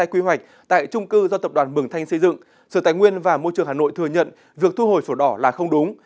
quy hoạch tại trung cư do tập đoàn mường thanh xây dựng sở tài nguyên và môi trường hà nội thừa nhận việc thu hồi sổ đỏ là không đúng